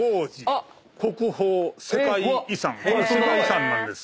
世界遺産なんです。